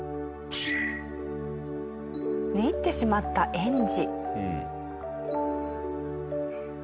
寝入ってしまった園児。